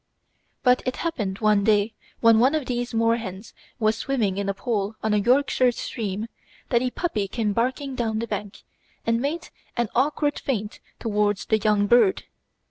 But it happened one day when one of these moorhens was swimming in a pool on a Yorkshire stream, that a puppy came barking down the bank and made an awkward feint towards the young bird.